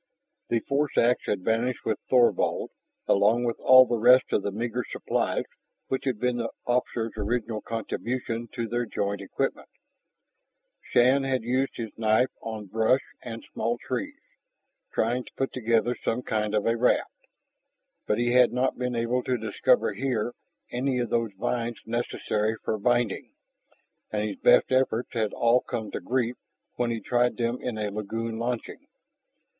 The force ax had vanished with Thorvald, along with all the rest of the meager supplies which had been the officer's original contribution to their joint equipment. Shann had used his knife on brush and small trees, trying to put together some kind of a raft. But he had not been able to discover here any of those vines necessary for binding, and his best efforts had all come to grief when he tried them in a lagoon launching.